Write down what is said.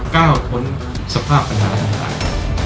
ก้าวทนสภาพพันธ์รัฐธรรมนุน